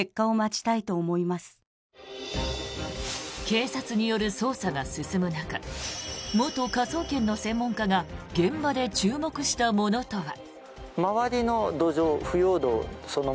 警察による捜査が進む中元科捜研の専門家が現場で注目したものとは。